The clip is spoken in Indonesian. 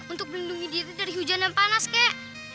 untuk melindungi diri dari hujan dan panas kek